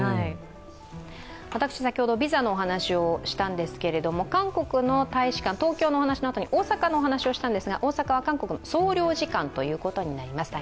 私先ほどビザのお話をしたんですけれども、韓国の大使館、東京の話のあとに大阪の話をしたんですが大阪は総領事館でした。